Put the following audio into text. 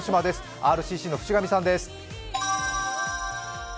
ＲＣＣの渕上さんです。